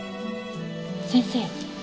先生。